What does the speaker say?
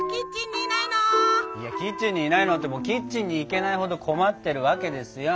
いやキッチンにいないのってキッチンに行けないほど困ってるわけですよ。